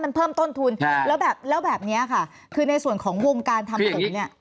มันเพิ่มต้นทุนแล้วแบบแล้วแบบนี้ค่ะคือในส่วนของวงการทำขนมเนี่ย